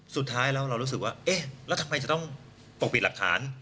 สุดท้ายแล้วเรารู้สึกว่าเอ๊ะแล้วทำไมจะต้องปกปิดหลักฐาน